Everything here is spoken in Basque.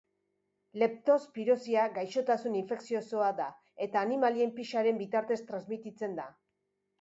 Leptospirosia gaixotasun infekziosoa da, eta animalien pixaren bitartez transmititzen da.